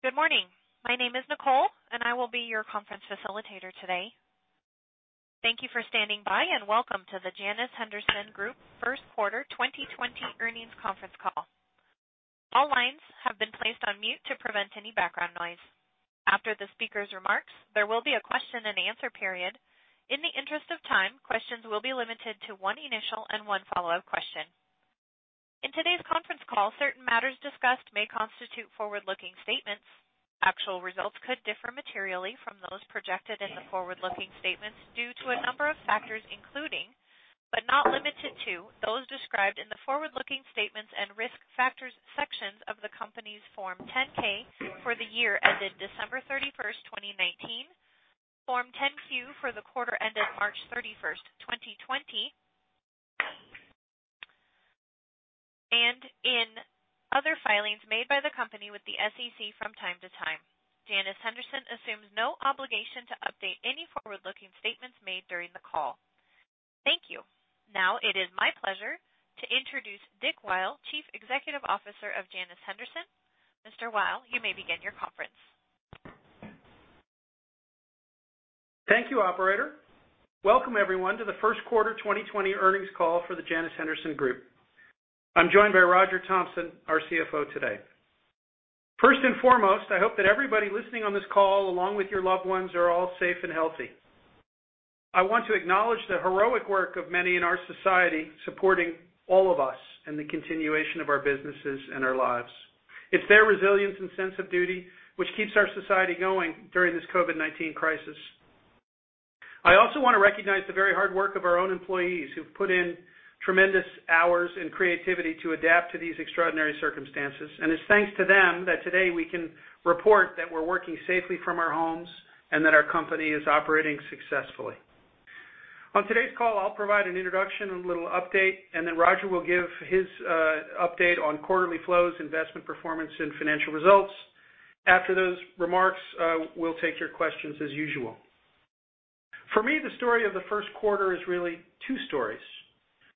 Good morning. My name is Nicole, and I will be your conference facilitator today. Thank you for standing by, and welcome to the Janus Henderson Group First Quarter 2020 Earnings Conference Call. All lines have been placed on mute to prevent any background noise. After the speaker's remarks, there will be a question and answer period. In the interest of time, questions will be limited to one initial and one follow-up question. In today's conference call, certain matters discussed may constitute forward-looking statements. Actual results could differ materially from those projected in the forward-looking statements due to a number of factors, including, but not limited to, those described in the forward-looking statements and risk factors sections of the company's Form 10-K for the year ended December 31st, 2019. Form 10-Q for the quarter ended March 31st, 2020, and in other filings made by the company with the SEC from time to time. Janus Henderson assumes no obligation to update any forward-looking statements made during the call. Thank you. Now it is my pleasure to introduce Dick Weil, Chief Executive Officer of Janus Henderson. Mr. Weil, you may begin your conference. Thank you, Operator. Welcome everyone to the first quarter 2020 earnings call for the Janus Henderson Group. I'm joined by Roger Thompson, our CFO today. First and foremost, I hope that everybody listening on this call, along with your loved ones, are all safe and healthy. I want to acknowledge the heroic work of many in our society supporting all of us in the continuation of our businesses and our lives. It's their resilience and sense of duty which keeps our society going during this COVID-19 crisis. I also want to recognize the very hard work of our own employees who've put in tremendous hours and creativity to adapt to these extraordinary circumstances, and it's thanks to them that today we can report that we're working safely from our homes and that our company is operating successfully. On today's call, I'll provide an introduction and a little update, and then Roger will give his update on quarterly flows, investment performance, and financial results. After those remarks, we'll take your questions as usual. For me, the story of the first quarter is really two stories.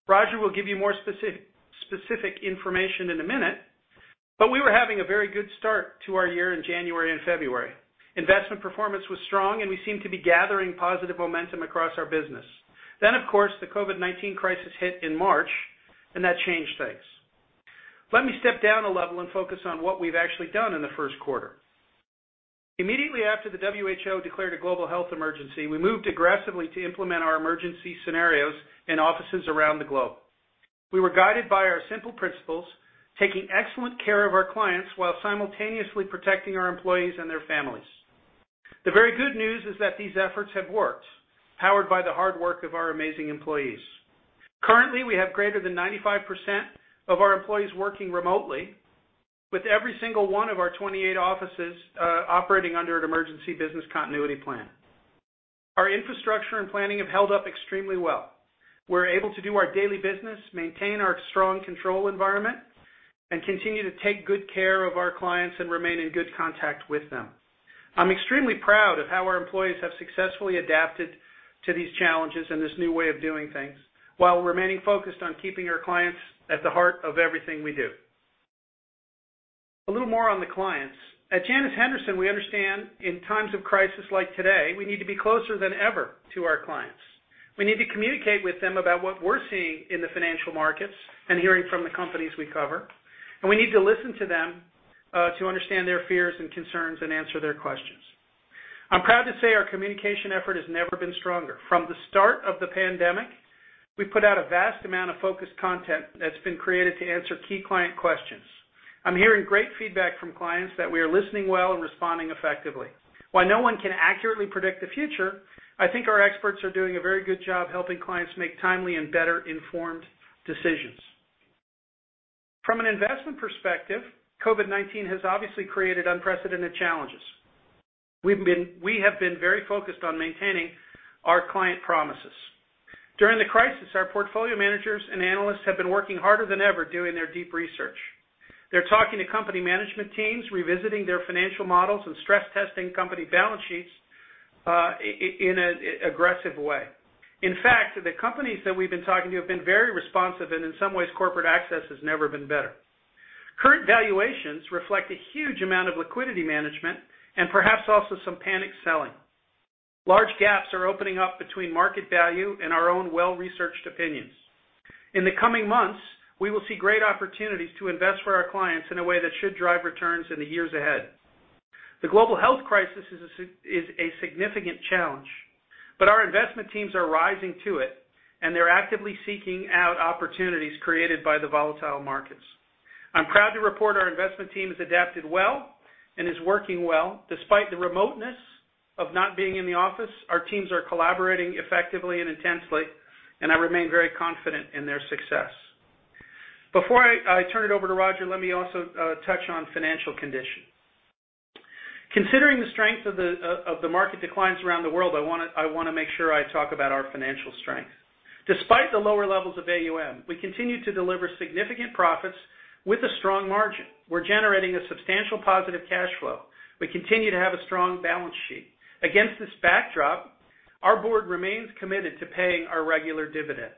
Roger will give you more specific information in a minute, but we were having a very good start to our year in January and February. Investment performance was strong, and we seemed to be gathering positive momentum across our business. Of course, the COVID-19 crisis hit in March, and that changed things. Let me step down a level and focus on what we've actually done in the first quarter. Immediately after the WHO declared a global health emergency, we moved aggressively to implement our emergency scenarios in offices around the globe. We were guided by our simple principles, taking excellent care of our clients while simultaneously protecting our employees and their families. The very good news is that these efforts have worked, powered by the hard work of our amazing employees. Currently, we have greater than 95% of our employees working remotely with every single one of our 28 offices operating under an emergency business continuity plan. Our infrastructure and planning have held up extremely well. We're able to do our daily business, maintain our strong control environment, and continue to take good care of our clients and remain in good contact with them. I'm extremely proud of how our employees have successfully adapted to these challenges and this new way of doing things while remaining focused on keeping our clients at the heart of everything we do. A little more on the clients. At Janus Henderson, we understand in times of crisis like today, we need to be closer than ever to our clients. We need to communicate with them about what we're seeing in the financial markets and hearing from the companies we cover, and we need to listen to them, to understand their fears and concerns and answer their questions. I'm proud to say our communication effort has never been stronger. From the start of the pandemic, we put out a vast amount of focused content that's been created to answer key client questions. I'm hearing great feedback from clients that we are listening well and responding effectively. While no one can accurately predict the future, I think our experts are doing a very good job helping clients make timely and better-informed decisions. From an investment perspective, COVID-19 has obviously created unprecedented challenges. We have been very focused on maintaining our client promises. During the crisis, our portfolio managers and analysts have been working harder than ever doing their deep research. They're talking to company management teams, revisiting their financial models, and stress-testing company balance sheets in an aggressive way. In fact, the companies that we've been talking to have been very responsive, and in some ways, corporate access has never been better. Current valuations reflect a huge amount of liquidity management and perhaps also some panic selling. Large gaps are opening up between market value and our own well-researched opinions. In the coming months, we will see great opportunities to invest for our clients in a way that should drive returns in the years ahead. The global health crisis is a significant challenge, but our investment teams are rising to it, and they're actively seeking out opportunities created by the volatile markets. I'm proud to report our investment team has adapted well and is working well. Despite the remoteness of not being in the office, our teams are collaborating effectively and intensely, and I remain very confident in their success. Before I turn it over to Roger, let me also touch on financial condition. Considering the strength of the market declines around the world, I want to make sure I talk about our financial strength. Despite the lower levels of AUM, we continue to deliver significant profits with a strong margin. We're generating a substantial positive cash flow. We continue to have a strong balance sheet. Against this backdrop, our board remains committed to paying our regular dividend.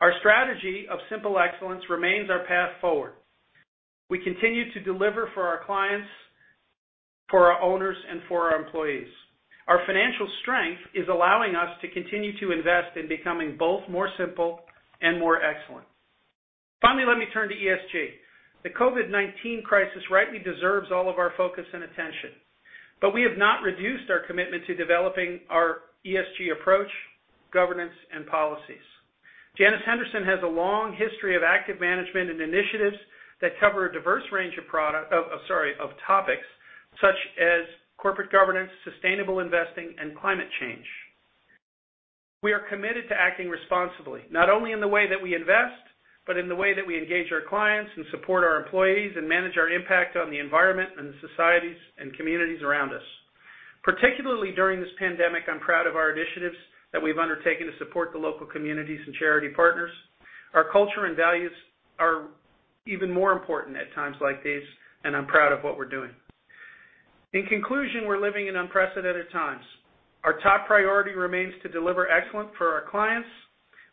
Our strategy of simple excellence remains our path forward. We continue to deliver for our clients, for our owners, and for our employees. Our financial strength is allowing us to continue to invest in becoming both more simple and more excellent. Let me turn to ESG. The COVID-19 crisis rightly deserves all of our focus and attention, but we have not reduced our commitment to developing our ESG approach, governance, and policies. Janus Henderson has a long history of active management and initiatives that cover a diverse range of topics such as corporate governance, sustainable investing, and climate change. We are committed to acting responsibly, not only in the way that we invest, but in the way that we engage our clients and support our employees and manage our impact on the environment and the societies and communities around us. Particularly during this pandemic, I'm proud of our initiatives that we've undertaken to support the local communities and charity partners. Our culture and values are even more important at times like these, and I'm proud of what we're doing. In conclusion, we're living in unprecedented times. Our top priority remains to deliver excellent for our clients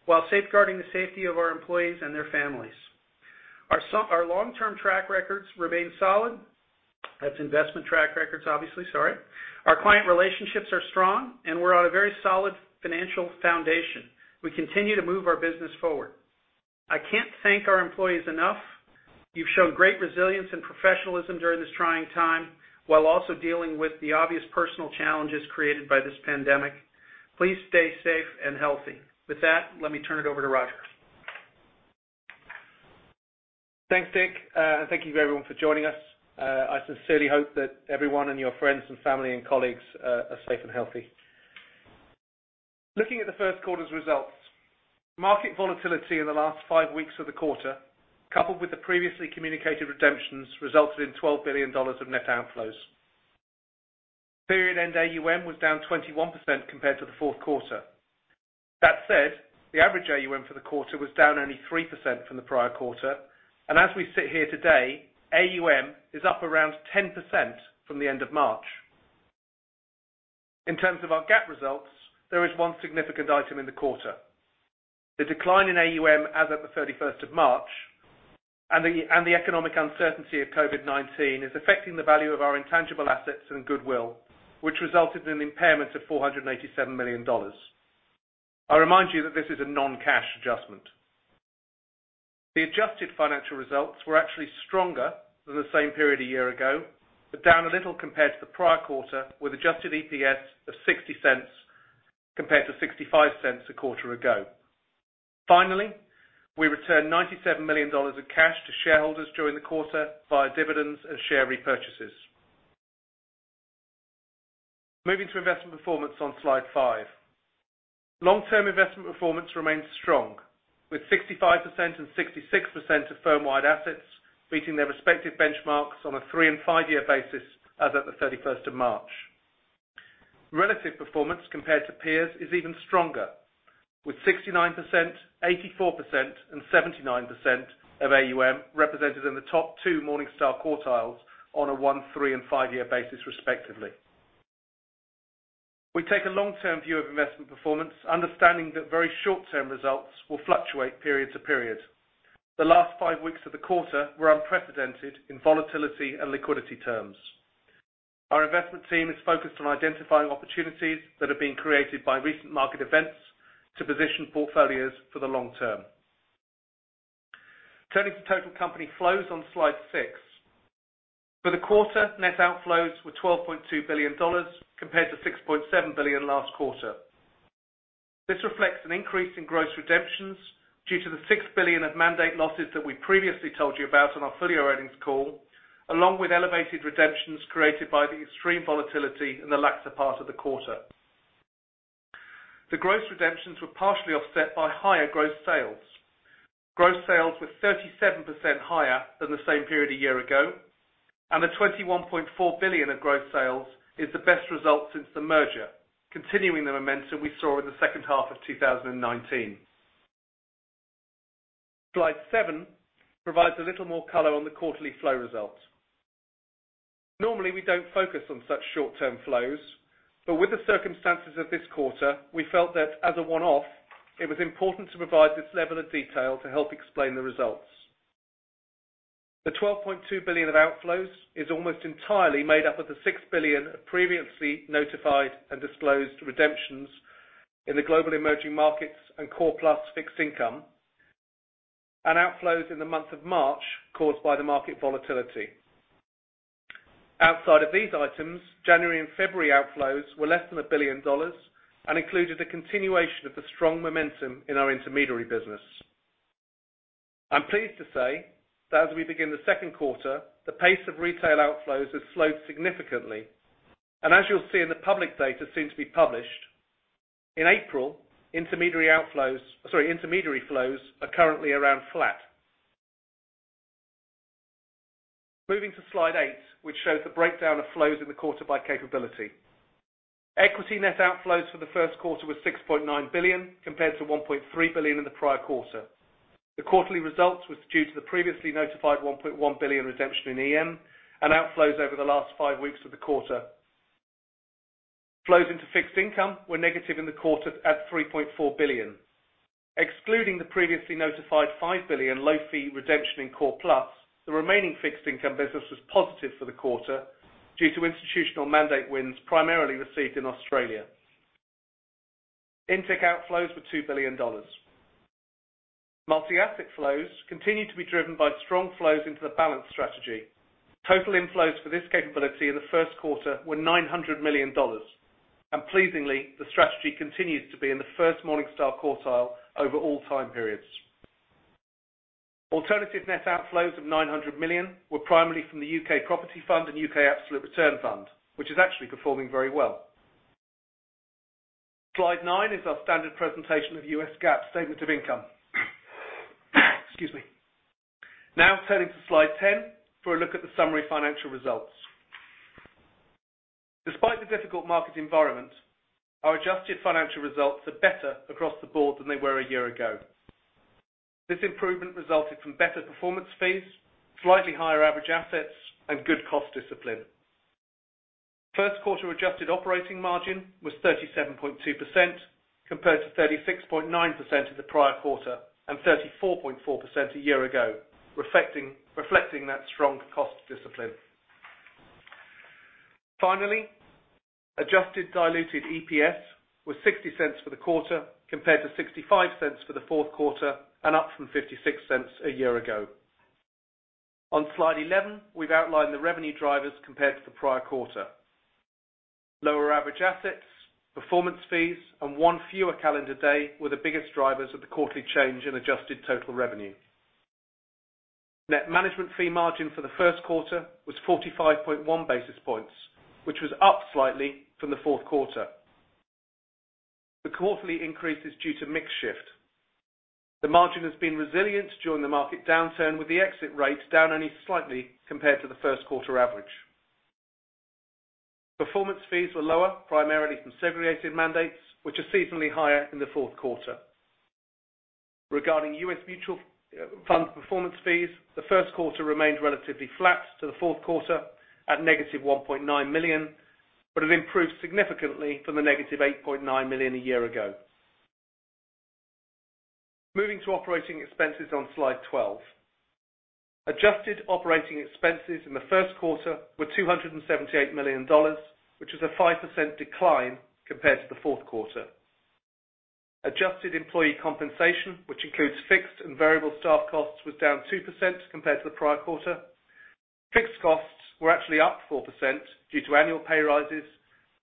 while safeguarding the safety of our employees and their families. Our long-term track records remain solid. That's investment track records, obviously. Sorry. Our client relationships are strong, and we're on a very solid financial foundation. We continue to move our business forward. I can't thank our employees enough. You've shown great resilience and professionalism during this trying time, while also dealing with the obvious personal challenges created by this pandemic. Please stay safe and healthy. With that, let me turn it over to Roger. Thanks, Dick, and thank you to everyone for joining us. I sincerely hope that everyone and your friends and family and colleagues are safe and healthy. Looking at the first quarter's results, market volatility in the last five weeks of the quarter, coupled with the previously communicated redemptions, resulted in $12 billion of net outflows. Period end AUM was down 21% compared to the fourth quarter. That said, the average AUM for the quarter was down only 3% from the prior quarter. As we sit here today, AUM is up around 10% from the end of March. In terms of our GAAP results, there is one significant item in the quarter. The decline in AUM as of the 31st of March and the economic uncertainty of COVID-19 is affecting the value of our intangible assets and goodwill, which resulted in an impairment of $487 million. I remind you that this is a non-cash adjustment. The adjusted financial results were actually stronger than the same period a year ago, but down a little compared to the prior quarter, with adjusted EPS of $0.60 compared to $0.65 a quarter ago. Finally, we returned $97 million of cash to shareholders during the quarter via dividends and share repurchases. Moving to investment performance on slide five. Long-term investment performance remains strong, with 65% and 66% of firm-wide assets beating their respective benchmarks on a three and five-year basis as of the 31st of March. Relative performance compared to peers is even stronger, with 69%, 84% and 79% of AUM represented in the top two Morningstar quartiles on a one, three and five-year basis, respectively. We take a long-term view of investment performance, understanding that very short-term results will fluctuate period to period. The last five weeks of the quarter were unprecedented in volatility and liquidity terms. Our investment team is focused on identifying opportunities that have been created by recent market events to position portfolios for the long term. Turning to total company flows on slide six. For the quarter, net outflows were $12.2 billion compared to $6.7 billion last quarter. This reflects an increase in gross redemptions due to the $6 billion of mandate losses that we previously told you about on our full-year earnings call, along with elevated redemptions created by the extreme volatility in the latter part of the quarter. The gross redemptions were partially offset by higher gross sales. Gross sales were 37% higher than the same period a year ago, and the $21.4 billion of gross sales is the best result since the merger, continuing the momentum we saw in the second half of 2019. Slide seven provides a little more color on the quarterly flow results. Normally, we don't focus on such short-term flows, but with the circumstances of this quarter, we felt that as a one-off, it was important to provide this level of detail to help explain the results. The $12.2 billion of outflows is almost entirely made up of the $6 billion of previously notified and disclosed redemptions in the global emerging markets and Core Plus fixed income and outflows in the month of March caused by the market volatility. Outside of these items, January and February outflows were less than $1 billion and included a continuation of the strong momentum in our intermediary business. I'm pleased to say that as we begin the second quarter, the pace of retail outflows has slowed significantly. As you'll see in the public data soon to be published, in April, intermediary outflows Sorry, intermediary flows are currently around flat. Moving to slide eight, which shows the breakdown of flows in the quarter by capability. Equity net outflows for the first quarter was $6.9 billion, compared to $1.3 billion in the prior quarter. The quarterly results was due to the previously notified $1.1 billion redemption in EM and outflows over the last five weeks of the quarter. Flows into fixed income were negative in the quarter at $3.4 billion. Excluding the previously notified $5 billion low-fee redemption in Core Plus, the remaining fixed income business was positive for the quarter due to institutional mandate wins, primarily received in Australia. INTECH outflows were $2 billion. Multi-asset flows continue to be driven by strong flows into the balanced strategy. Total inflows for this capability in the first quarter were $900 million. Pleasingly, the strategy continues to be in the first Morningstar quartile over all time periods. Alternative net outflows of $900 million were primarily from the U.K. Property Fund and U.K. Absolute Return Fund, which is actually performing very well. Slide nine is our standard presentation of U.S. GAAP statement of income. Excuse me. Now turning to slide 10 for a look at the summary financial results. Despite the difficult market environment, our adjusted financial results are better across the board than they were a year ago. This improvement resulted from better performance fees, slightly higher average assets, and good cost discipline. First quarter adjusted operating margin was 37.2% compared to 36.9% in the prior quarter and 34.4% a year ago, reflecting that strong cost discipline. Finally, adjusted diluted EPS was $0.60 for the quarter, compared to $0.65 for the fourth quarter and up from $0.56 a year ago. On slide 11, we've outlined the revenue drivers compared to the prior quarter. Lower average assets, performance fees, and one fewer calendar day were the biggest drivers of the quarterly change in adjusted total revenue. Net management fee margin for the first quarter was 45.1 basis points, which was up slightly from the fourth quarter. The quarterly increase is due to mix shift. The margin has been resilient during the market downturn, with the exit rate down only slightly compared to the first quarter average. Performance fees were lower, primarily from segregated mandates, which are seasonally higher in the fourth quarter. Regarding U.S. mutual fund performance fees, the first quarter remained relatively flat to the fourth quarter at $-1.9 million, but have improved significantly from the $-8.9 million a year ago. Moving to operating expenses on slide 12. Adjusted operating expenses in the first quarter were $278 million, which is a 5% decline compared to the fourth quarter. Adjusted employee compensation, which includes fixed and variable staff costs, was down 2% compared to the prior quarter. Fixed costs were actually up 4% due to annual pay rises,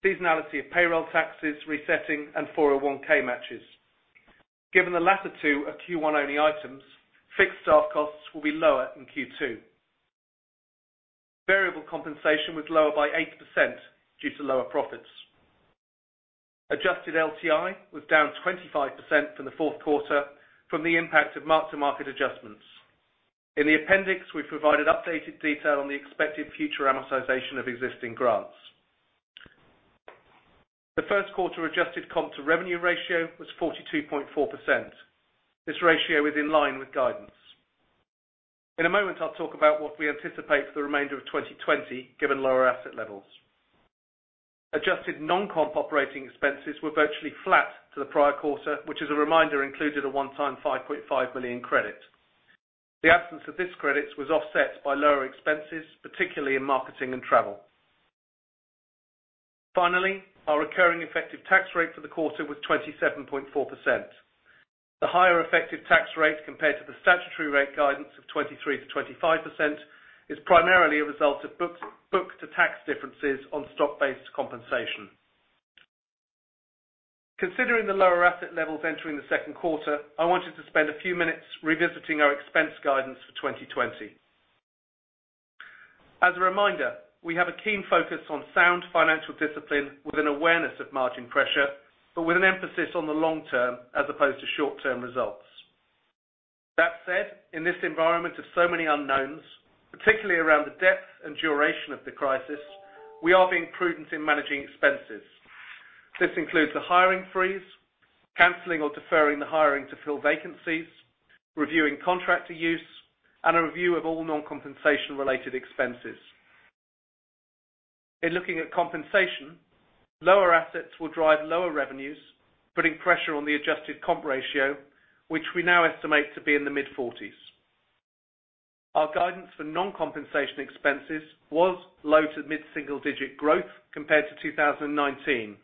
seasonality of payroll taxes resetting, and 401(k) matches. Given the latter two are Q1-only items, fixed staff costs will be lower in Q2. Variable compensation was lower by 8% due to lower profits. Adjusted LTI was down 25% from the fourth quarter from the impact of mark-to-market adjustments. In the appendix, we've provided updated detail on the expected future amortization of existing grants. The first quarter adjusted comp to revenue ratio was 42.4%. This ratio is in line with guidance. In a moment, I'll talk about what we anticipate for the remainder of 2020, given lower asset levels. Adjusted non-comp operating expenses were virtually flat to the prior quarter, which as a reminder, included a one-time $5.5 million credit. The absence of this credit was offset by lower expenses, particularly in marketing and travel. Finally, our recurring effective tax rate for the quarter was 27.4%. The higher effective tax rate compared to the statutory rate guidance of 23%-25% is primarily a result of book to tax differences on stock-based compensation. Considering the lower asset levels entering the second quarter, I wanted to spend a few minutes revisiting our expense guidance for 2020. As a reminder, we have a keen focus on sound financial discipline with an awareness of margin pressure, but with an emphasis on the long term as opposed to short-term results. In this environment of so many unknowns, particularly around the depth and duration of the crisis, we are being prudent in managing expenses. This includes the hiring freeze, canceling or deferring the hiring to fill vacancies, reviewing contractor use, and a review of all non-compensation related expenses. In looking at compensation, lower assets will drive lower revenues, putting pressure on the adjusted comp ratio, which we now estimate to be in the mid-40s. Our guidance for non-compensation expenses was low to mid-single digit growth compared to 2019.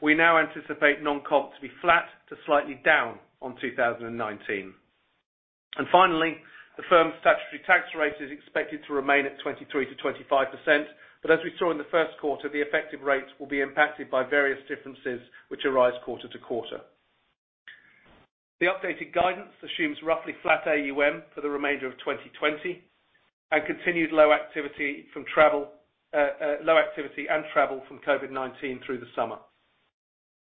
We now anticipate non-comp to be flat to slightly down on 2019. Finally, the firm's statutory tax rate is expected to remain at 23%-25%. As we saw in the first quarter, the effective rates will be impacted by various differences which arise quarter to quarter. The updated guidance assumes roughly flat AUM for the remainder of 2020 and continued low activity and travel from COVID-19 through the summer.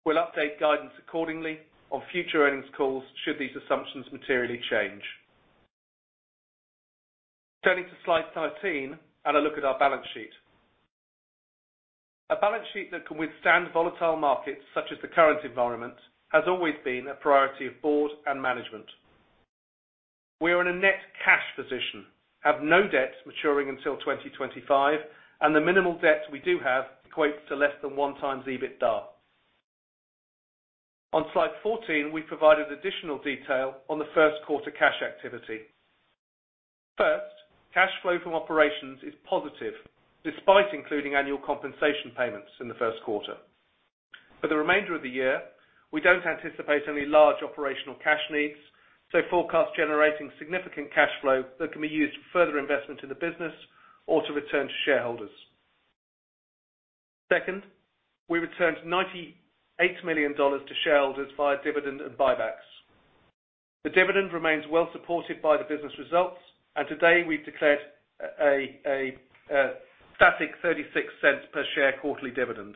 We'll update guidance accordingly on future earnings calls should these assumptions materially change. Turning to slide 13 and a look at our balance sheet. A balance sheet that can withstand volatile markets such as the current environment, has always been a priority of board and management. We are in a net cash position, have no debt maturing until 2025, and the minimal debt we do have equates to less than one times EBITDA. On slide 14, we provided additional detail on the first quarter cash activity. First, cash flow from operations is positive despite including annual compensation payments in the first quarter. For the remainder of the year, we don't anticipate any large operational cash needs. We forecast generating significant cash flow that can be used for further investment in the business or to return to shareholders. Second, we returned $98 million to shareholders via dividend and buybacks. The dividend remains well supported by the business results and today we've declared a static $0.36/share quarterly dividend.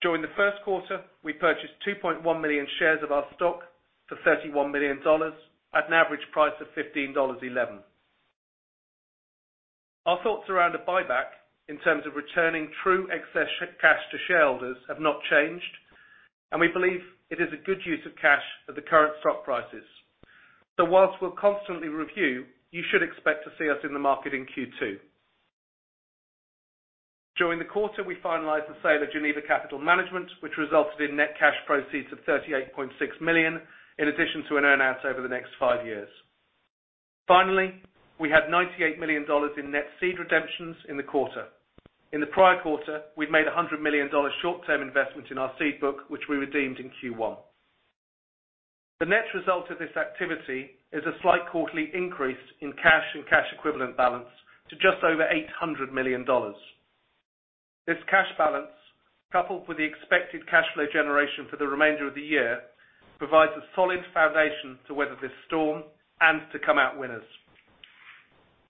During the first quarter, we purchased 2.1 million shares of our stock for $31 million at an average price of $15.11. Our thoughts around a buyback in terms of returning true excess cash to shareholders have not changed, and we believe it is a good use of cash at the current stock prices. Whilst we'll constantly review, you should expect to see us in the market in Q2. During the quarter, we finalized the sale of Geneva Capital Management, which resulted in net cash proceeds of $38.6 million in addition to an earn-out over the next five years. Finally, we had $98 million in net seed redemptions in the quarter. In the prior quarter, we'd made a $100 million short-term investment in our seed book, which we redeemed in Q1. The net result of this activity is a slight quarterly increase in cash and cash equivalent balance to just over $800 million. This cash balance, coupled with the expected cash flow generation for the remainder of the year, provides a solid foundation to weather this storm and to come out winners.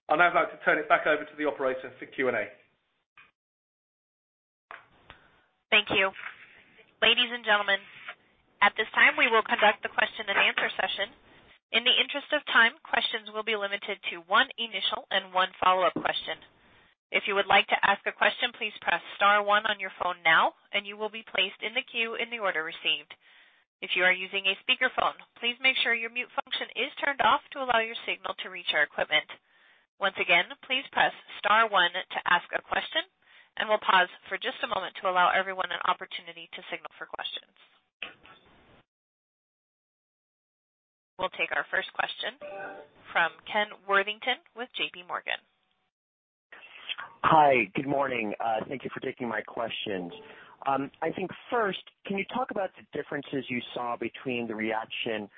I'd now like to turn it back over to the Operator for Q&A. Thank you. Ladies and gentlemen, at this time we will conduct the question and answer session. In the interest of time, questions will be limited to one initial and one follow-up question. If you would like to ask a question, please press star one on your phone now and you will be placed in the queue in the order received. If you are using a speakerphone, please make sure your mute function is turned off to allow your signal to reach our equipment. Once again, please press star one to ask a question, and we'll pause for just a moment to allow everyone an opportunity to signal for questions. We'll take our first question from Ken Worthington with JPMorgan. Hi, good morning. Thank you for taking my questions. I think first, can you talk about the differences you saw between the reaction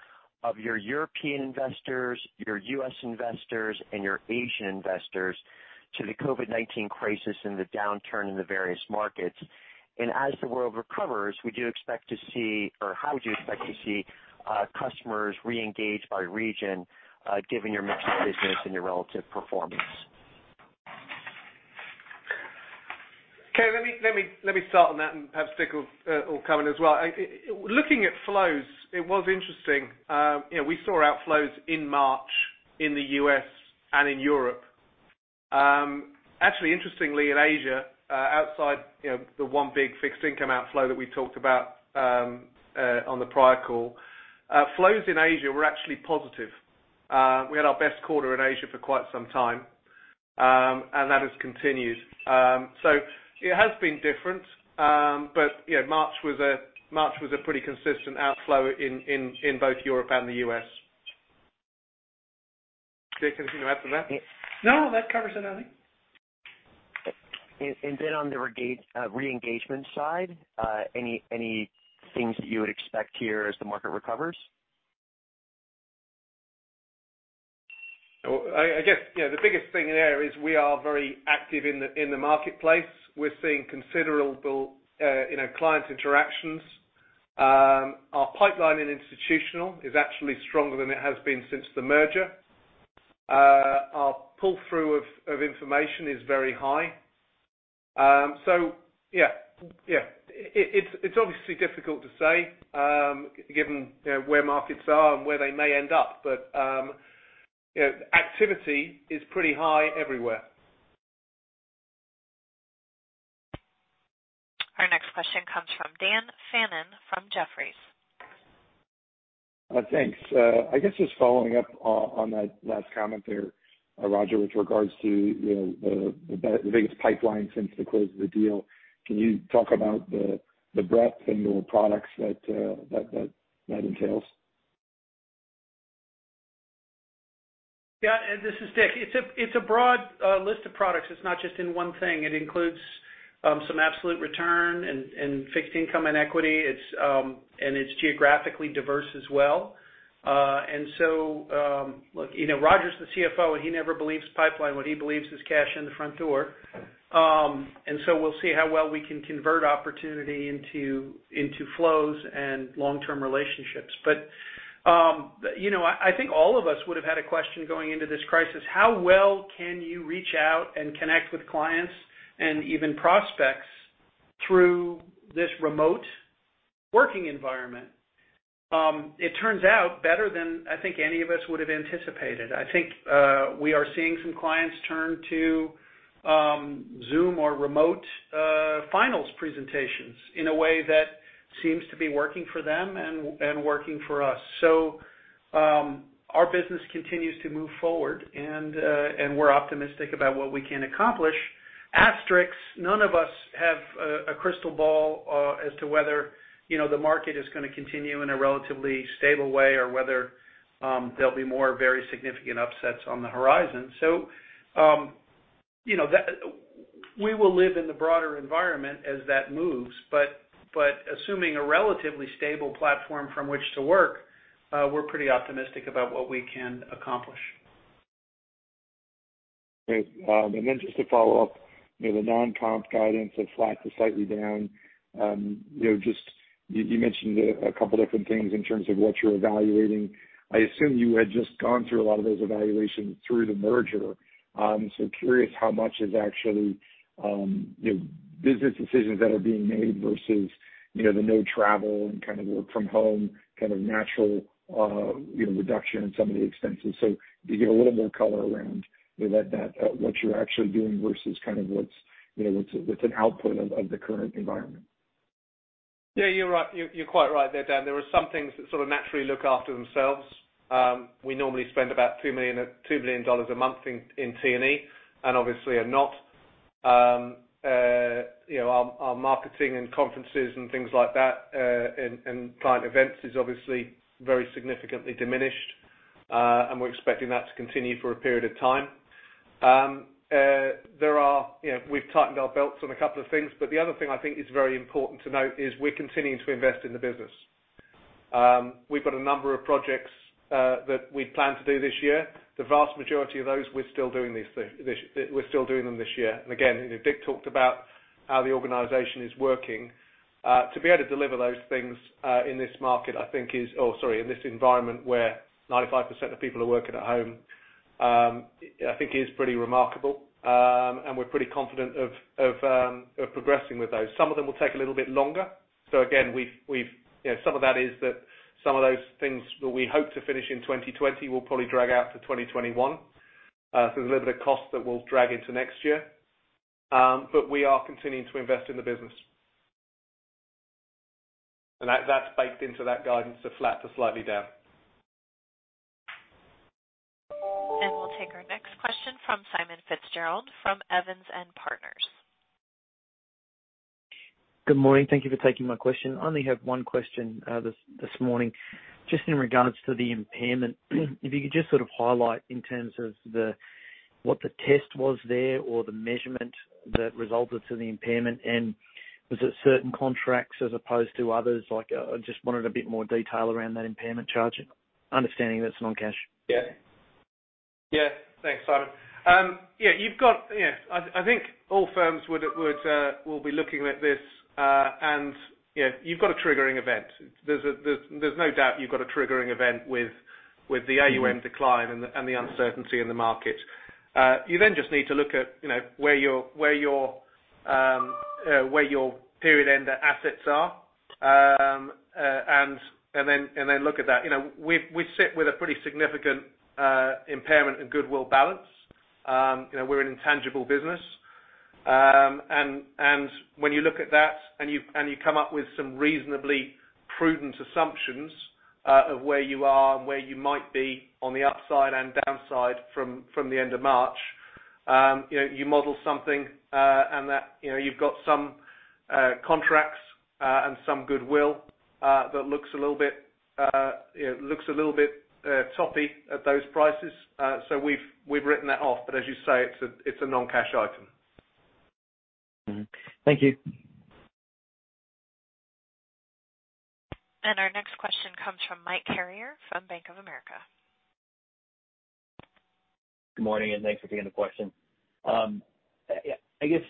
of your European investors, your U.S. investors, and your Asian investors to the COVID-19 crisis and the downturn in the various markets? As the world recovers, how would you expect to see customers reengage by region, given your mixed business and your relative performance? Ken, let me start on that and perhaps Dick will come in as well. Looking at flows, it was interesting. We saw outflows in March in the U.S. and in Europe. Actually, interestingly in Asia, outside the one big fixed income outflow that we talked about on the prior call, flows in Asia were actually positive. We had our best quarter in Asia for quite some time. That has continued. It has been different. March was a pretty consistent outflow in both Europe and the U.S. Dick, anything to add to that? No, that covers it, I think. On the reengagement side, any things that you would expect here as the market recovers? I guess the biggest thing there is we are very active in the marketplace. We're seeing considerable client interactions. Our pipeline in institutional is actually stronger than it has been since the merger. Our pull-through of information is very high. Yeah. It's obviously difficult to say given where markets are and where they may end up. Activity is pretty high everywhere. Our next question comes from Dan Fannon from Jefferies. Thanks. I guess just following up on that last comment there, Roger, with regards to the biggest pipeline since the close of the deal. Can you talk about the breadth and the products that entails? This is Dick. It's a broad list of products. It's not just in one thing. It includes some absolute return in fixed income and equity. It's geographically diverse as well. Roger's the CFO, he never believes pipeline. What he believes is cash in the front door. We'll see how well we can convert opportunity into flows and long-term relationships. I think all of us would have had a question going into this crisis, how well can you reach out and connect with clients and even prospects through this remote working environment? It turns out better than I think any of us would have anticipated. I think we are seeing some clients turn to Zoom or remote finals presentations in a way that seems to be working for them and working for us. Our business continues to move forward and we're optimistic about what we can accomplish. Asterisk, none of us have a crystal ball as to whether the market is going to continue in a relatively stable way or whether there'll be more very significant upsets on the horizon. We will live in the broader environment as that moves. Assuming a relatively stable platform from which to work, we're pretty optimistic about what we can accomplish. Great. Just to follow up, the non-comp guidance of flat to slightly down. You mentioned a couple different things in terms of what you're evaluating. I assume you had just gone through a lot of those evaluations through the merger. Curious how much is actually business decisions that are being made versus the no travel and work from home, natural reduction in some of the expenses. Do you get a little more color around what you're actually doing versus what's an output of the current environment? Yeah, you're quite right there, Dan. There are some things that sort of naturally look after themselves. We normally spend about $2 million a month in T&E, and obviously are not. Our marketing in conferences and things like that, and client events is obviously very significantly diminished. We're expecting that to continue for a period of time. We've tightened our belts on a couple of things, but the other thing I think is very important to note is we're continuing to invest in the business. We've got a number of projects that we plan to do this year. The vast majority of those, we're still doing them this year. Again, Dick talked about how the organization is working. To be able to deliver those things in this market, I think is or, sorry, in this environment where 95% of people are working at home, I think is pretty remarkable. We're pretty confident of progressing with those. Some of them will take a little bit longer. Again, some of that is that some of those things that we hope to finish in 2020 will probably drag out to 2021. There's a little bit of cost that will drag into next year. We are continuing to invest in the business. That's baked into that guidance to flat to slightly down. We'll take our next question from Simon Fitzgerald from Evans & Partners. Good morning. Thank you for taking my question. I only have one question this morning. In regards to the impairment, if you could just sort of highlight in terms of what the test was there or the measurement that resulted to the impairment. Was it certain contracts as opposed to others? I just wanted a bit more detail around that impairment charge, understanding that it's non-cash. Yeah. Thanks, Simon. I think all firms will be looking at this. You've got a triggering event. There's no doubt you've got a triggering event with the AUM decline and the uncertainty in the market. You then just need to look at where your period end assets are, and then look at that. We sit with a pretty significant impairment in goodwill balance. We're an intangible business. When you look at that and you come up with some reasonably prudent assumptions of where you are and where you might be on the upside and downside from the end of March, you model something. That you've got some contracts and some goodwill that looks a little bit toppy at those prices. We've written that off. As you say, it's a non-cash item. Thank you. Our next question comes from Mike Carrier from Bank of America. Good morning, and thanks for taking the question. I guess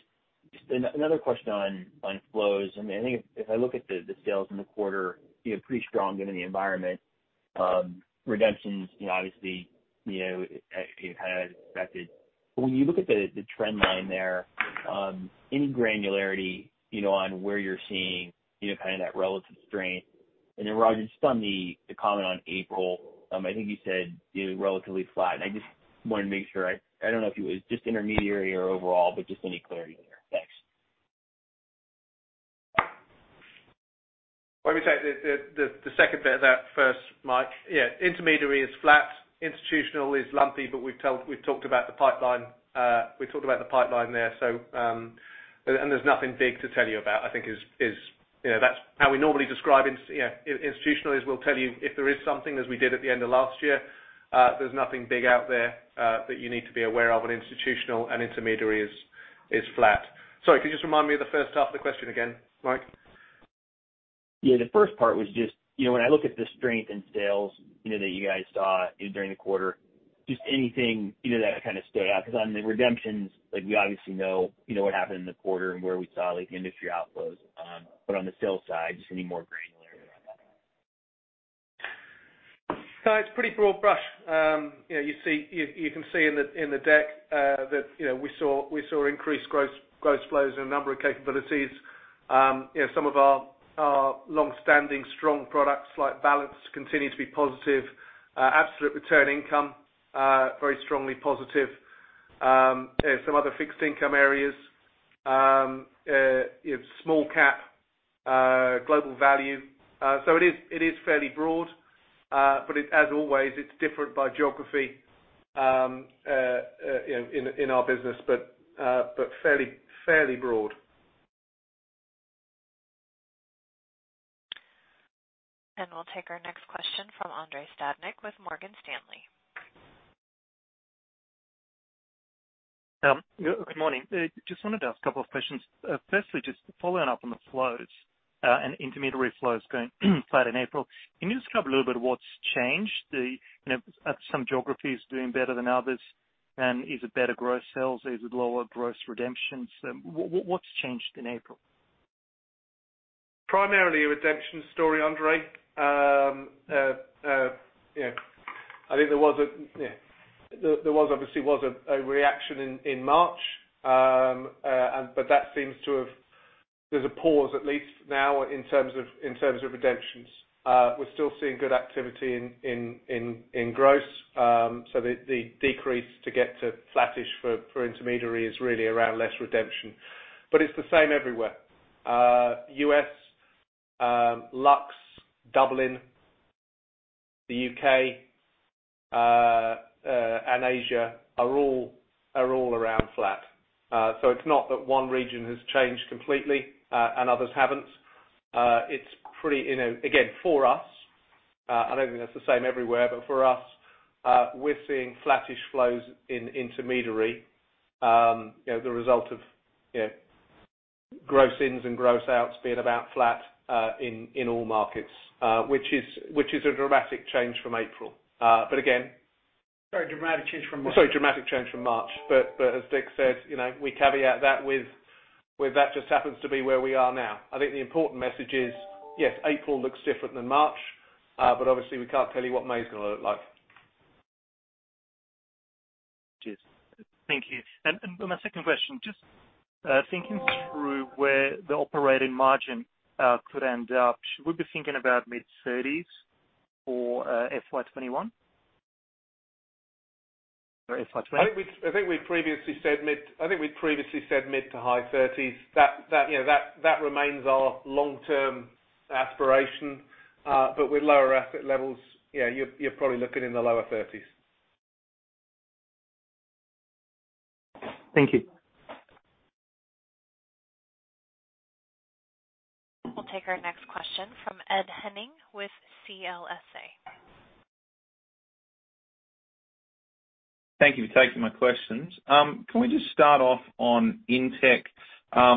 just another question on flows. I think if I look at the sales in the quarter, pretty strong given the environment. Redemptions, obviously, as expected. When you look at the trend line there, any granularity on where you're seeing that relative strength? Then Roger, just on the comment on April, I think you said relatively flat. I just wanted to make sure, I don't know if it was just intermediary or overall, but just any clarity there? Thanks. Let me take the second bit of that first, Mike. Yeah, intermediary is flat, institutional is lumpy, but we've talked about the pipeline there. There's nothing big to tell you about, I think is That's how we normally describe institutional is we'll tell you if there is something, as we did at the end of last year. There's nothing big out there that you need to be aware of in institutional, intermediary is flat. Sorry, could you just remind me of the first half of the question again, Mike? Yeah, the first part was just when I look at the strength in sales that you guys saw during the quarter, just anything that kind of stood out? On the redemptions, we obviously know what happened in the quarter and where we saw the industry outflows. On the sales side, just any more granularity on that. It's pretty broad brush. You can see in the deck that we saw increased gross flows in a number of capabilities. Some of our longstanding strong products like Balanced continue to be positive. Absolute Return Income very strongly positive. Some other fixed income areas, small cap, global value. It is fairly broad, but as always, it's different by geography in our business, but fairly broad. We'll take our next question from Andrei Stadnik with Morgan Stanley. Good morning. Just wanted to ask a couple of questions. Firstly, just following up on the flows and intermediary flows going flat in April. Can you just cover a little bit of what's changed? Some geographies doing better than others, and is it better gross sales? Is it lower gross redemptions? What's changed in April? Primarily a redemption story, Andrei. I think there was obviously a reaction in March. There's a pause at least now in terms of redemptions. We're still seeing good activity in gross. The decrease to get to flattish for intermediary is really around less redemption, but it's the same everywhere. U.S., Lux, Dublin, the U.K., and Asia are all around flat. It's not that one region has changed completely and others haven't. Again, for us, I don't think that's the same everywhere, but for us, we're seeing flattish flows in intermediary. The result of gross-ins and gross-outs being about flat in all markets, which is a dramatic change from April. Sorry, dramatic change from March. Sorry, dramatic change from March. As Dick said, we caveat that with that just happens to be where we are now. I think the important message is, yes, April looks different than March, but obviously we can't tell you what May's going to look like. Cheers. Thank you. My second question, just thinking through where the operating margin could end up. Should we be thinking about mid-30s for FY 2021? FY 2020? I think we previously said mid- to high-30s%. That remains our long-term aspiration. With lower asset levels, you're probably looking in the lower 30s. Thank you. We'll take our next question from Ed Henning with CLSA. Thank you for taking my questions. Can we just start off on INTECH?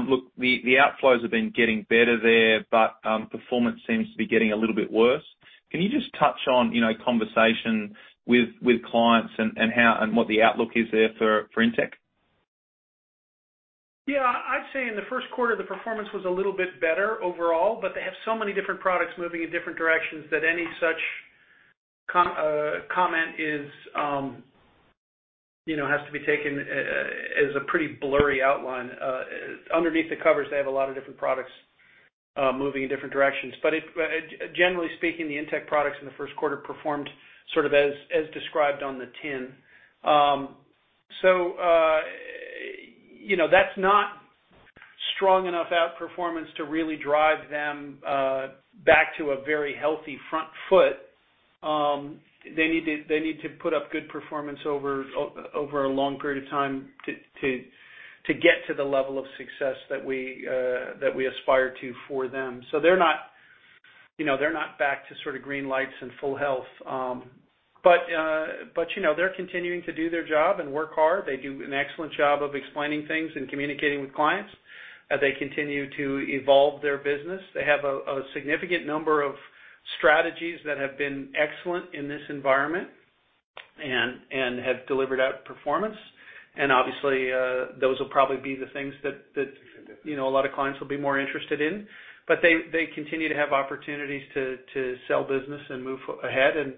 Look, the outflows have been getting better there, but performance seems to be getting a little bit worse. Can you just touch on conversation with clients and what the outlook is there for INTECH? Yeah, I'd say in the first quarter, the performance was a little bit better overall, but they have so many different products moving in different directions that any such comment has to be taken as a pretty blurry outline. Underneath the covers, they have a lot of different products moving in different directions. Generally speaking, the INTECH products in the first quarter performed sort of as described on the tin. That's not strong enough outperformance to really drive them back to a very healthy front foot. They need to put up good performance over a long period of time to get to the level of success that we aspire to for them. They're not back to sort of green lights and full health. They're continuing to do their job and work hard. They do an excellent job of explaining things and communicating with clients as they continue to evolve their business. They have a significant number of strategies that have been excellent in this environment and have delivered outperformance. Obviously, those will probably be the things that a lot of clients will be more interested in. They continue to have opportunities to sell business and move ahead.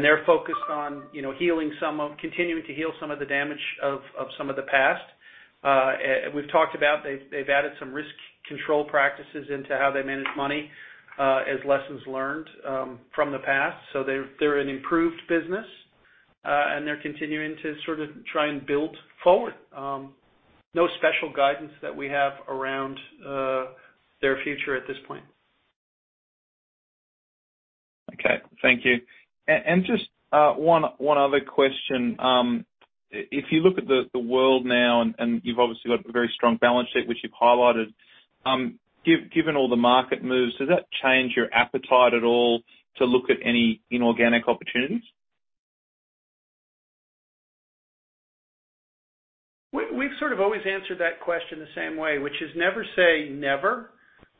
They're focused on continuing to heal some of the damage of some of the past. We've talked about they've added some risk control practices into how they manage money as lessons learned from the past. They're an improved business. They're continuing to sort of try and build forward. No special guidance that we have around their future at this point. Okay. Thank you. Just one other question. If you look at the world now, and you've obviously got a very strong balance sheet, which you've highlighted. Given all the market moves, does that change your appetite at all to look at any inorganic opportunities? We've sort of always answered that question the same way, which is never say never,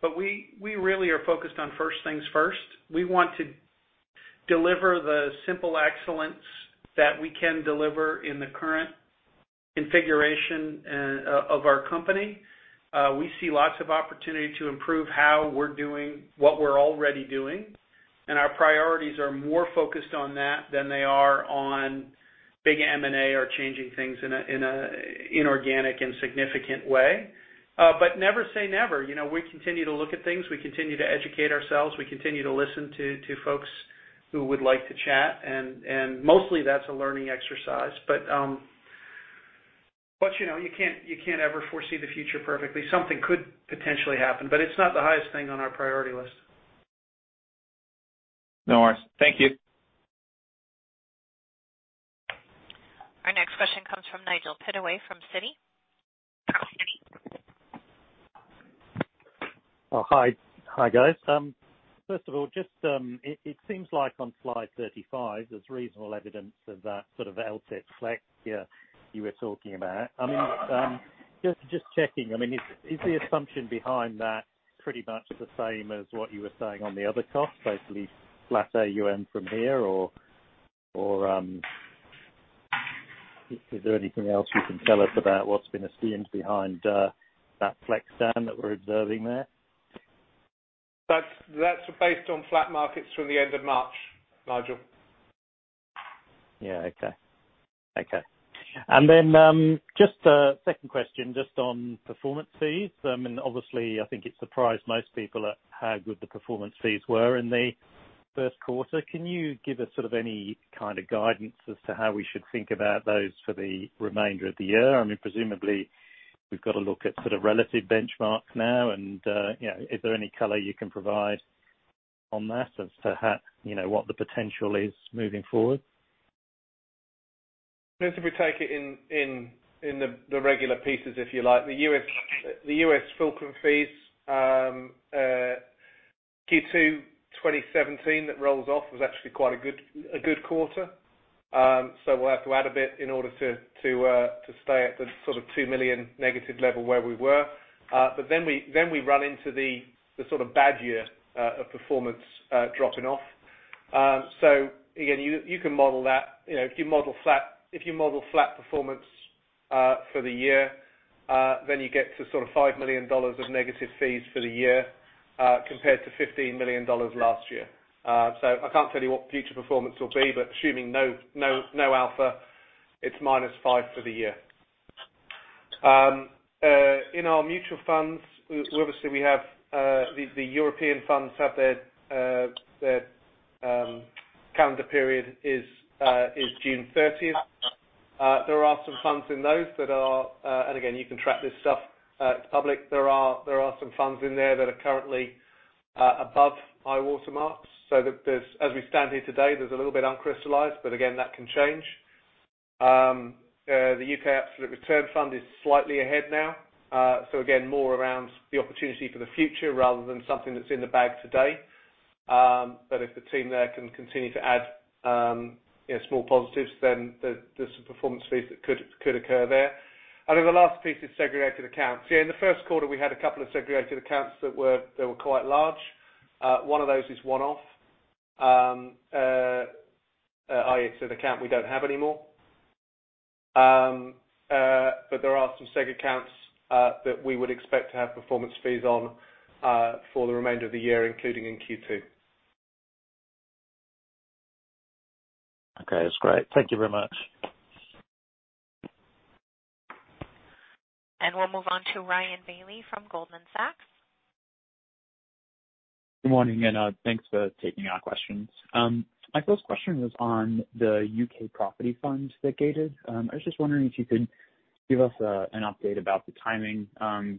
but we really are focused on first things first. We want to deliver the simple excellence that we can deliver in the current configuration of our company. We see lots of opportunity to improve how we're doing what we're already doing. Our priorities are more focused on that than they are on big M&A or changing things in an inorganic and significant way. Never say never. We continue to look at things. We continue to educate ourselves. We continue to listen to folks who would like to chat, and mostly that's a learning exercise. You can't ever foresee the future perfectly. Something could potentially happen, but it's not the highest thing on our priority list. No worries. Thank you. Our next question comes from Nigel Pittaway from Citi. Oh, hi guys. First of all, it seems like on slide 35, there's reasonable evidence of that sort of LTIP flex you were talking about. Just checking, is the assumption behind that pretty much the same as what you were saying on the other costs, basically flat AUM from here, or is there anything else you can tell us about what's been assumed behind that flex down that we're observing there? That's based on flat markets from the end of March, Nigel. Yeah. Okay. Just a second question just on performance fees. Obviously, I think it surprised most people at how good the performance fees were in the first quarter. Can you give us any kind of guidance as to how we should think about those for the remainder of the year? Presumably, we've got to look at sort of relative benchmarks now and is there any color you can provide on that as to what the potential is moving forward? We take it in the regular pieces, if you like, the U.S. Fulcrum fees Q2 2017 that rolls off was actually quite a good quarter. We'll have to add a bit in order to stay at the sort of $-2 million level where we were. We run into the sort of bad year of performance dropping off. Again, you can model that. You model flat performance for the year, then you get to sort of $5 million of negative fees for the year compared to $15 million last year. I can't tell you what future performance will be, but assuming no alpha, it's minus five for the year. In our mutual funds, obviously, the European funds have their calendar period is June 30th. There are some funds in those. Again, you can track this stuff. It's public. There are some funds in there that are currently above high water marks. As we stand here today, there's a little bit uncrystallized, but again, that can change. The U.K. Absolute Return Fund is slightly ahead now. Again, more around the opportunity for the future rather than something that's in the bag today. If the team there can continue to add small positives, then there's some performance fees that could occur there. The last piece is segregated accounts. In the first quarter, we had a couple of segregated accounts that were quite large. One of those is one-off. I said account we don't have anymore. There are some seg accounts that we would expect to have performance fees on for the remainder of the year, including in Q2. Okay. That's great. Thank you very much. We'll move on to Ryan Bailey from Goldman Sachs. Good morning. Thanks for taking our questions. My first question was on the U.K. Property Fund that gated. I was just wondering if you could give us an update about the timing.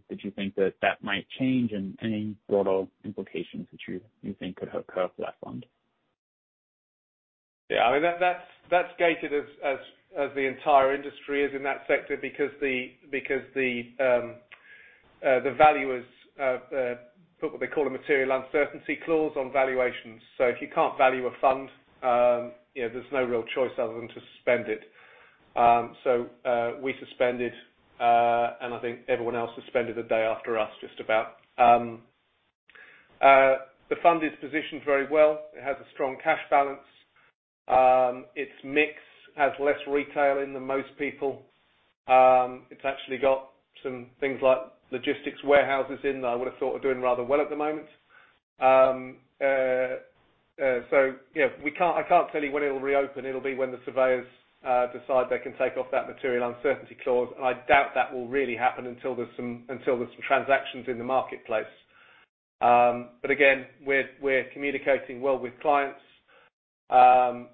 Did you think that that might change and any broader implications that you think could occur for that fund? Yeah. That's gated as the entire industry is in that sector because the valuers put what they call a material uncertainty clause on valuations. If you can't value a fund, there's no real choice other than to suspend it. We suspended, and I think everyone else suspended a day after us, just about. The fund is positioned very well. It has a strong cash balance. Its mix has less retail in than most people. It's actually got some things like logistics warehouses in that I would have thought are doing rather well at the moment. Yeah, I can't tell you when it'll reopen. It'll be when the surveyors decide they can take off that material uncertainty clause. I doubt that will really happen until there's some transactions in the marketplace. Again, we're communicating well with clients. I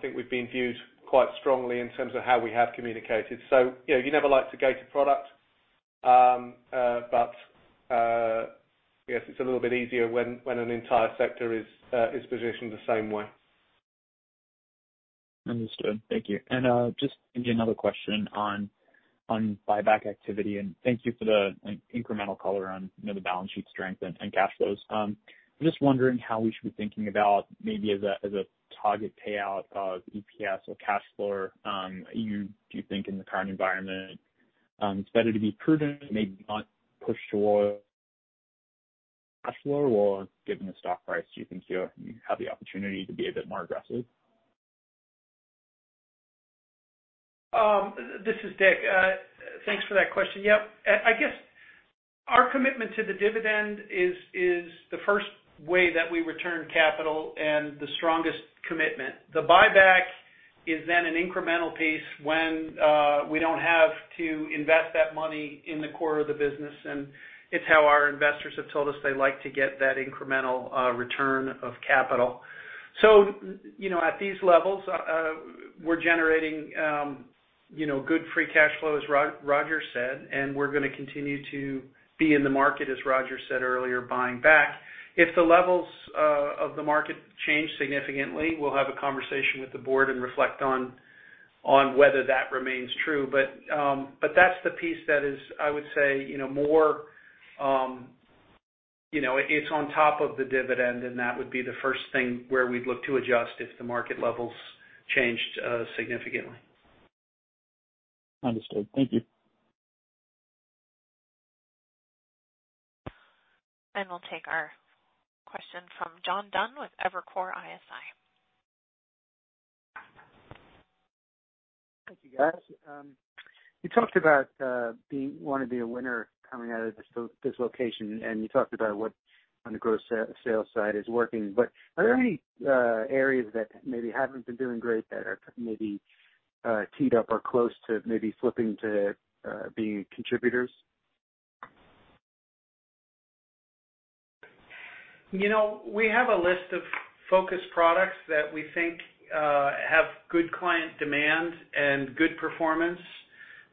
think we've been viewed quite strongly in terms of how we have communicated. You never like to gate a product. It's a little bit easier when an entire sector is positioned the same way. Understood. Thank you. Just maybe another question on buyback activity, and thank you for the incremental color on the balance sheet strength and cash flows. I'm just wondering how we should be thinking about maybe as a target payout of EPS or cash flow. Do you think in the current environment it's better to be prudent, maybe not push toward cash flow? Given the stock price, do you think you have the opportunity to be a bit more aggressive? This is Dick. Thanks for that question. Yep. I guess our commitment to the dividend is the first way that we return capital and the strongest commitment. The buyback is then an incremental piece when we don't have to invest that money in the core of the business, and it's how our investors have told us they like to get that incremental return of capital. At these levels, we're generating good free cash flow, as Roger said, and we're going to continue to be in the market, as Roger said earlier, buying back. If the levels of the market change significantly, we'll have a conversation with the board and reflect on whether that remains true. That's the piece that is, I would say, it's on top of the dividend, and that would be the first thing where we'd look to adjust if the market levels changed significantly. Understood. Thank you. We'll take our question from John Dunn with Evercore ISI. Thank you, guys. You talked about wanting to be a winner coming out of this dislocation, and you talked about what on the gross sales side is working. Are there any areas that maybe haven't been doing great that are maybe teed up or close to maybe flipping to being contributors? We have a list of focus products that we think have good client demand and good performance.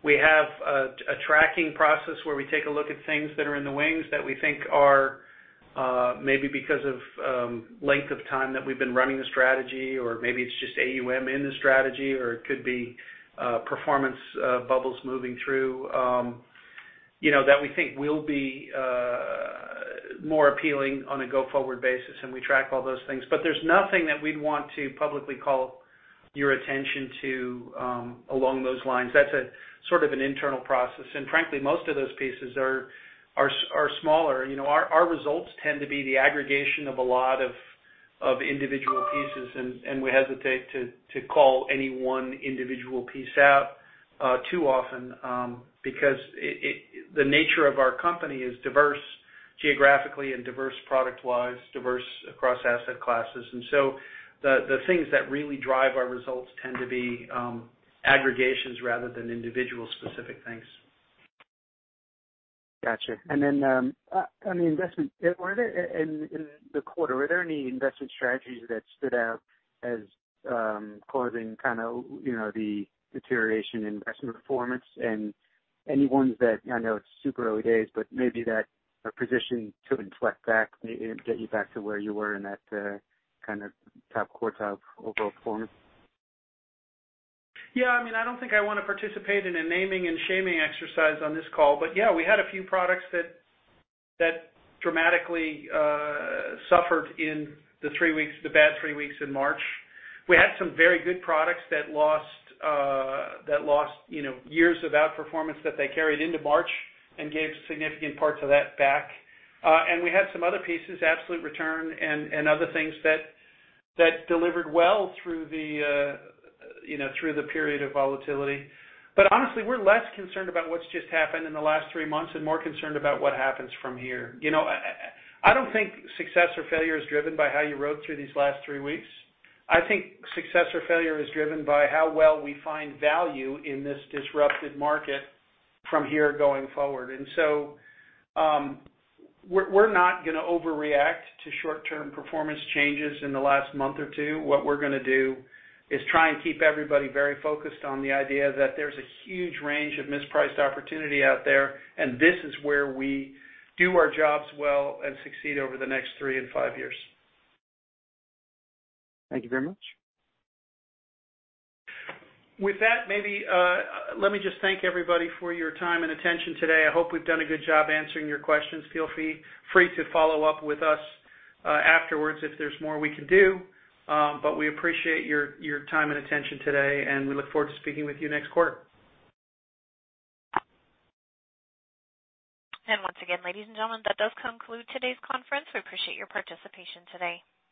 We have a tracking process where we take a look at things that are in the wings that we think are, maybe because of length of time that we've been running the strategy, or maybe it's just AUM in the strategy, or it could be performance bubbles moving through, that we think will be more appealing on a go-forward basis, and we track all those things. There's nothing that we'd want to publicly call your attention to along those lines. That's an internal process. Frankly, most of those pieces are smaller. Our results tend to be the aggregation of a lot of individual pieces, and we hesitate to call any one individual piece out too often because the nature of our company is diverse geographically and diverse product-wise, diverse across asset classes. The things that really drive our results tend to be aggregations rather than individual specific things. Got you. On the investment bit, in the quarter, were there any investment strategies that stood out as causing the deterioration in investment performance, and any ones that, I know it's super early days, but maybe that are positioned to inflect back, maybe get you back to where you were in that top quartile overall performance? Yeah. I don't think I want to participate in a naming and shaming exercise on this call. Yeah, we had a few products that dramatically suffered in the bad three weeks in March. We had some very good products that lost years of outperformance that they carried into March and gave significant parts of that back. We had some other pieces, Absolute Return and other things that delivered well through the period of volatility. Honestly, we're less concerned about what's just happened in the last three months and more concerned about what happens from here. I don't think success or failure is driven by how you rode through these last three weeks. I think success or failure is driven by how well we find value in this disrupted market from here going forward. We're not going to overreact to short-term performance changes in the last month or two. What we're going to do is try and keep everybody very focused on the idea that there's a huge range of mispriced opportunity out there, and this is where we do our jobs well and succeed over the next three and five years. Thank you very much. With that, maybe let me just thank everybody for your time and attention today. I hope we've done a good job answering your questions. Feel free to follow up with us afterwards if there's more we can do. We appreciate your time and attention today, and we look forward to speaking with you next quarter. Once again, ladies and gentlemen, that does conclude today's conference. We appreciate your participation today.